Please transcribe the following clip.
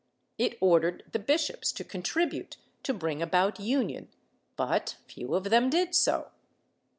It ordered the bishops to contribute to bring about union, but few of them did so.